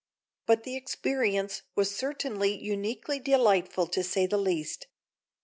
But the experience was certainly uniquely delightful to say the least.